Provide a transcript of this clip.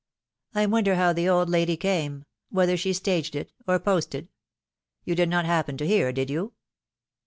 I wonder how the old lady came, whether she staged it, or posted? You did not happen to hear, did you